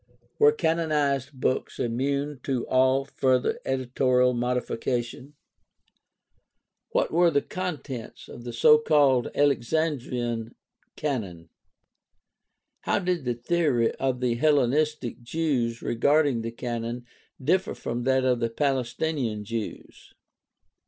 Were canonized books immune to all further editorial modification? What were the contents of the so called Alexandrine Canon? How did the theory of the Hellenistic Jews regarding the Canon differ from that of the Palestinian Jews